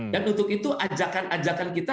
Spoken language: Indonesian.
dan untuk itu ajakan ajakan kita